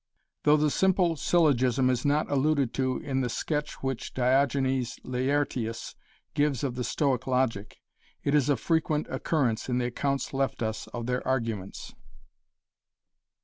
Though the simple syllogism is not alluded to in the sketch which Diogenes Laertius gives of the Stoic logic, it is of frequent occurrence in the accounts left us of their arguments.